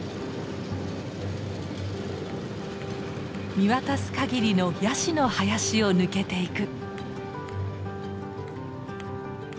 見渡すかぎりのヤシの林を抜けていく。